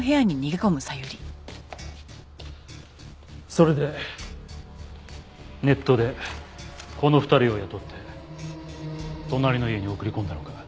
それでネットでこの２人を雇って隣の家に送り込んだのか？